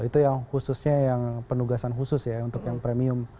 itu yang khususnya yang penugasan khusus ya untuk yang premium